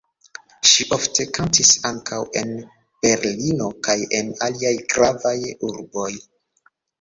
Ŝi ofte kantis ankaŭ en Berlino kaj en aliaj gravaj urboj.